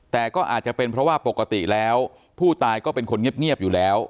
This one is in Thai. แต่ก็อาจจะเป็นเพราะว่าปกติแล้วผู้ตายก็เป็นคนเงียบอยู่แล้ว